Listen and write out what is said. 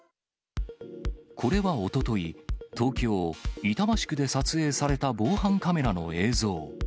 これはおととい、東京・板橋区で撮影された防犯カメラの映像。